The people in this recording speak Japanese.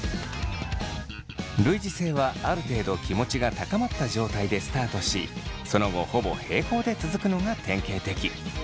類似性はある程度気持ちが高まった状態でスタートしその後ほぼ平行で続くのが典型的。